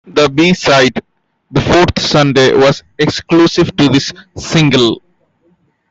The B-side, "The Fourth Sunday", was exclusive to this single.